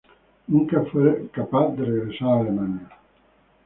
Nunca fue capaz de regresar a Alemania.